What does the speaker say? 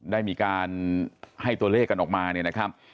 ได้มีการให้ตัวเลขกันออกมาเนี่ยนะครับ